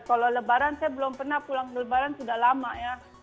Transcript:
kalau lebaran saya belum pernah pulang lebaran sudah lama ya